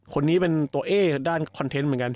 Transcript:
คนนี้เป็นตัวเอ๊ด้านคอนเทนต์เหมือนกัน